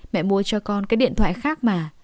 mẹ mua cho con cái điện thoại khác mà